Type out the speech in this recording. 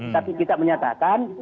tapi kita menyatakan